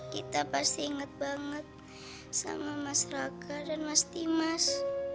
kita pasti ingat banget sama mas raka dan mas dimas